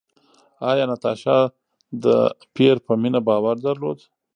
ایا ناتاشا د پییر په مینه باور درلود؟